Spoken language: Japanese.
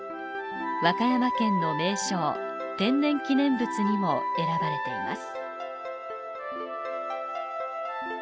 和歌山県の名勝、天然記念物にも選ばれています。